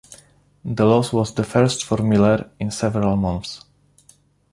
The loss was the first for Miller in several months.